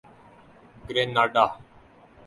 Grenada